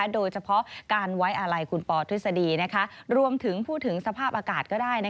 โดยเฉพาะการไว้อาลัยคุณปอทฤษฎีรวมถึงพูดถึงสภาพอากาศก็ได้